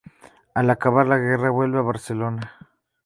Al acabar la guerra vuelve a Barcelona.